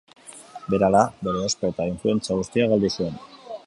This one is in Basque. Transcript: Berehala, bere ospe eta influentzia guztia galdu zuen.